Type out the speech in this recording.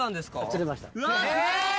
釣れました。